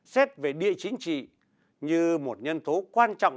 xét về địa chính trị như một nhân tố quan trọng